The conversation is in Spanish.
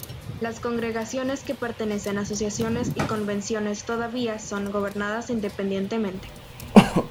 Las congregaciones que pertenecen a asociaciones y convenciones todavía son gobernadas independientemente.